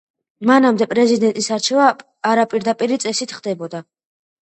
მანამდე პრეზიდენტის არჩევა არაპირდაპირი წესით ხდებოდა.